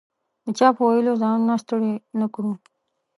د چا په ویلو ځانونه ستړي نه کړو.